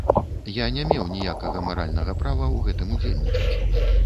Я не меў ніякага маральнага права ў гэтым удзельнічаць.